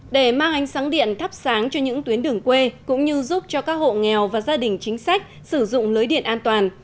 để mang ánh sáng điện thắp sáng cho những tuyến đường quê cũng như giúp cho các hộ nghèo và gia đình chính sách sử dụng lưới điện an toàn